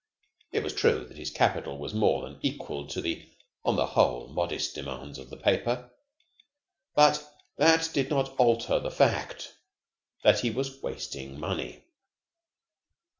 It was true that his capital was more than equal to the, on the whole, modest demands of the paper, but that did not alter the fact that he was wasting money.